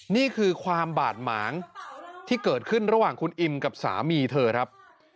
นี่คือความบาดหมางที่เกิดขึ้นระหว่างคุณอิมกับสามีเธอครับ